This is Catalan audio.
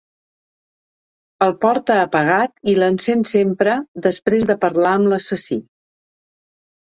El porta apagat i l'encén sempre després de parlar amb l'assassí.